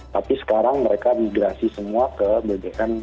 tapi sekarang mereka migrasi semua ke bbm